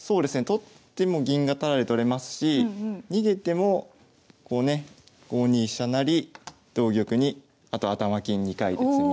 取っても銀がタダで取れますし逃げても５二飛車成同玉にあと頭金２回で詰み。